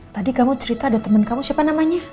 tadi kamu cerita ada temen kamu siapa namanya